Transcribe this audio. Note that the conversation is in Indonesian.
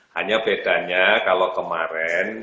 hanya bedanya kalau kemarin